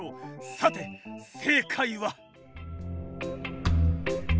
さて正解は？